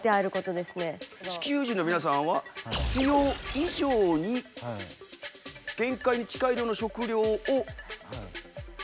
地球人の皆さんは必要以上に限界に近い量の食料を召し上がると？